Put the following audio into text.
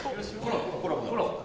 ・コラボ？